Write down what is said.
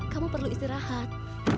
kamu perlu istirahat